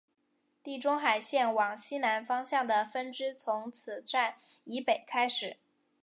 地中海线往西南方向的分支从此站以北开始。